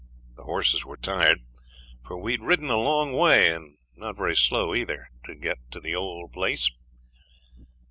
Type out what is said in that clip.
The horses were tired, for we'd ridden a long way, and not very slow either, to get to the old place.